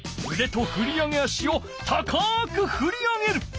うでとふり上げ足を高くふり上げる。